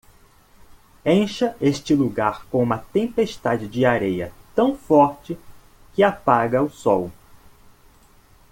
Encha este lugar com uma tempestade de areia tão forte que apaga o sol.